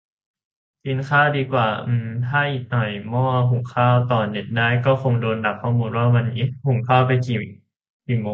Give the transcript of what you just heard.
กินข้าวดีกว่า อืมม ถ้าอีกหน่อยหม้อหุงข้าวต่อเน็ตได้ก็คงโดนดักข้อมูลว่า วันนี้หุงข้าวกินกี่โมง